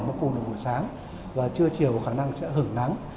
mùa buổi sáng và trưa chiều có khả năng sẽ hưởng nắng